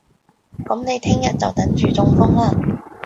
噉你聽日就等住中風啦